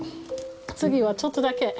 次はちょっとだけ。